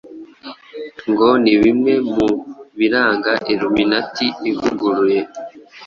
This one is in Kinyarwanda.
ngo ni bimwe mu biranga Illuminati ivuguruye